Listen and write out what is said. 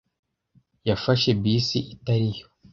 Yafashe bisi itari yo.